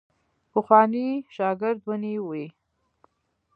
پخوانی شاګرد ونیوی.